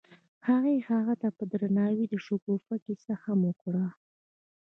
هغه هغې ته په درناوي د شګوفه کیسه هم وکړه.